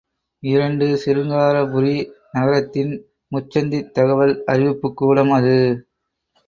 இரண்டு சிருங்காரபுரி நகரத்தின் முச்சந்தித் தகவல் அறிவிப்புக் கூடம் அது.